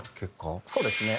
そうですね。